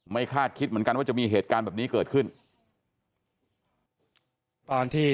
คาดคิดเหมือนกันว่าจะมีเหตุการณ์แบบนี้เกิดขึ้นตอนที่